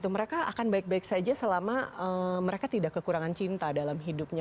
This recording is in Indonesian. mereka akan baik baik saja selama mereka tidak kekurangan cinta dalam hidupnya